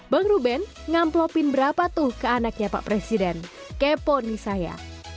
bang ruben ngamplopin berapa tuh ke anaknya pak presiden kepo nih saya